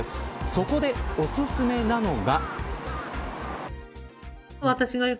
そこでおすすめなのが。